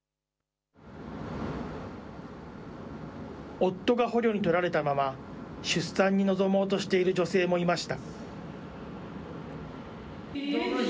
夫が捕虜に取られたまま、出産に臨もうとしている女性もいました。